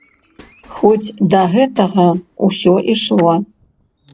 Хоць да гэтага ўсё ішло.